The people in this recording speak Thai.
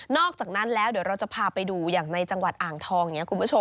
อกจากนั้นแล้วเดี๋ยวเราจะพาไปดูอย่างในจังหวัดอ่างทองอย่างนี้คุณผู้ชม